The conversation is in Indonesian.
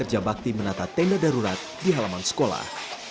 para siswa bekerja bakti menata tenda darurat di halaman sekolah